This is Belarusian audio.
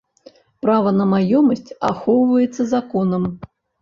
Права на маёмасць ахоўваецца законам.